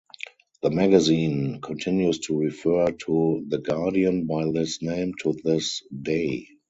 The magazine continues to refer to "The Guardian" by this name to this day.